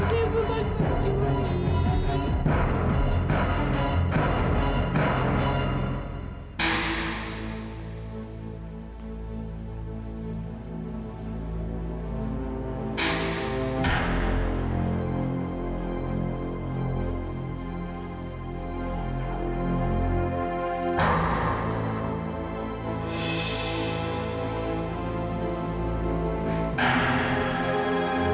saya bukan pencuri pak